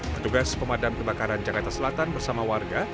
petugas pemadam kebakaran jakarta selatan bersama warga